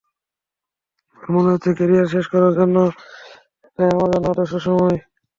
আমার মনে হচ্ছে, ক্যারিয়ার শেষ করার জন্য এটাই আমার জন্য আদর্শ সময়।